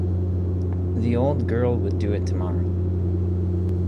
The old girl would do it tomorrow.